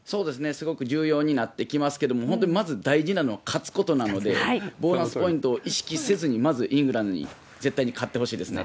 すごく重要になってきますけれども、本当にまず大事なのは勝つことなので、ボーナスポイントを意識せずに、まずイングランドに絶対に勝ってほしいですね。